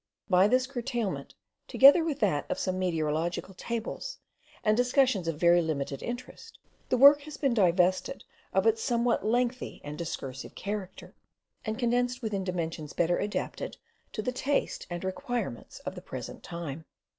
By this curtailment, together with that of some meteorological tables and discussions of very limited interest, the work has been divested of its somewhat lengthy and discursive character, and condensed within dimensions better adapted to the taste and requirements of the present time.